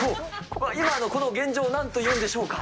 今のこの現状をなんというんでしょうか。